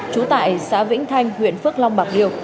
trú tại xã vĩnh thanh huyện phước long bạc liêu